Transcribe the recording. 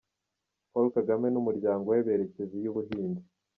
Paul Kagame n’umuryango we berekeza iy’ubuhunzi.